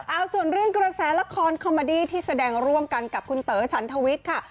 เอาส่วนเรื่องกระแสละครคอมมาดี้ที่แสดงร่วมกันกับคุณเต๋อฉันทวิทย์ค่ะ